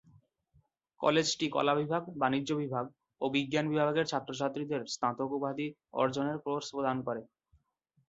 কলেজটি কলাবিভাগ, বাণিজ্য বিভাগ ও বিজ্ঞান বিভাগের ছাত্রছাত্রীদের স্নাতক উপাধি অর্জনের কোর্স প্রদান করে।